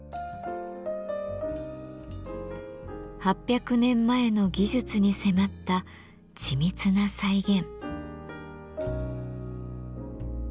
８００年前の技術に迫った緻密な再現。